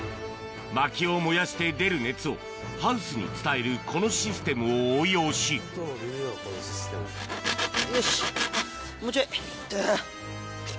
まきを燃やして出る熱をハウスに伝えるこのシステムを応用しよし。